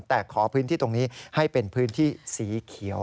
แต่ขอพื้นที่ตรงนี้ให้เป็นพื้นที่สีเขียว